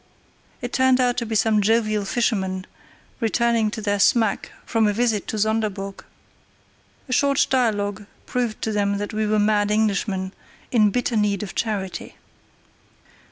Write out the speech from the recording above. It turned out to be some jovial fishermen returning to their smack from a visit to Sonderburg. A short dialogue proved to them that we were mad Englishmen in bitter need of charity.